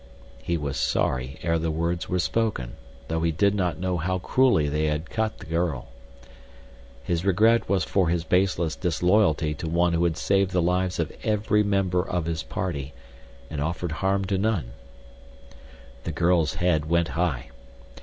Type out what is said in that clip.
He was sorry ere the words were spoken though he did not know how cruelly they had cut the girl. His regret was for his baseless disloyalty to one who had saved the lives of every member of his party, and offered harm to none. The girl's head went high.